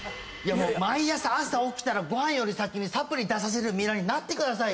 毎朝朝起きたらご飯より先にサプリ出させられる身になってくださいよ。